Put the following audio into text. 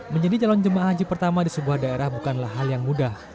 menjadi calon jemaah haji pertama di sebuah daerah bukanlah hal yang mudah